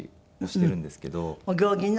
お行儀の？